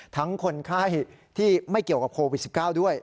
คนไข้ที่ไม่เกี่ยวกับโควิด๑๙ด้วย